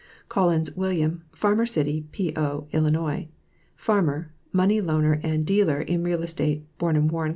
COLL1XS WILLIAM, Farmer City P.O. 111.; Fanner, Money Leaner and Dealer in Real Estate; born in Warren Co.